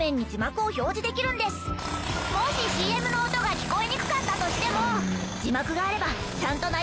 もしＣＭの音が聞こえにくかったとしても。